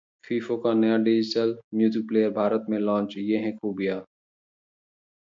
Fiio का नया digital music player Bharat में लॉन्च, ये हैं खूबियां